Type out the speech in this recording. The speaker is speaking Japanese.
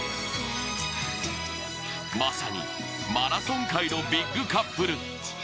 まさにマラソン界のビッグカップル。